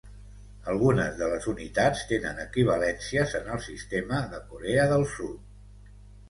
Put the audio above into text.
Algunes de les unitats tenen equivalències en el sistema de Corea del Sud.